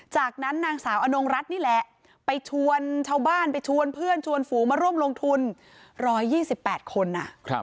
จากนั้นนางสาวอนงรัฐนี่แหละไปชวนชาวบ้านไปชวนเพื่อนชวนฝูงมาร่วมลงทุน๑๒๘คน